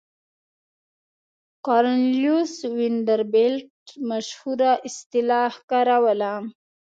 کارنلیوس وینډربیلټ مشهوره اصطلاح کاروله.